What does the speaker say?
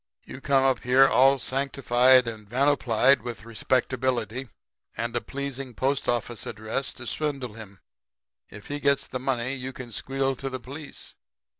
You come up here all sanctified and vanoplied with respectability and a pleasing post office address to swindle him. If he gets the money you can squeal to the police.